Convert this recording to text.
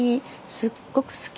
すっごく好き。